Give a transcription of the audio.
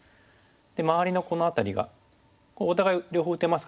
で周りのこの辺りがお互い両方打てますからね。